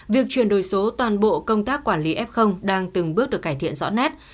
việc chuyển đổi số toàn bộ công tác quản lý f đang từng bước được cải thiện rõ nét